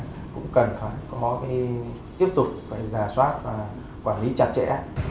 cũng cần phải tiếp tục giả soát và quản lý chặt chẽ